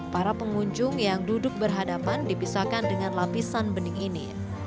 para pengunjung yang duduk berhadapan dipisahkan dengan lapisan bening ini